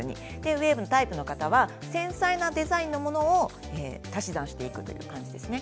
ウエーブタイプの方は繊細なデザインのものを足し算していく感じですね。